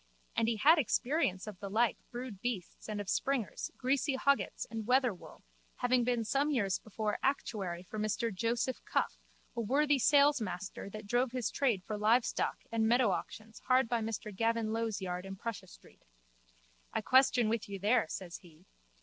And he had experience of the like brood beasts and of springers, greasy hoggets and wether wool, having been some years before actuary for Mr Joseph Cuffe, a worthy salesmaster that drove his trade for live stock and meadow auctions hard by Mr Gavin Low's yard in Prussia street. I question with you there, says he.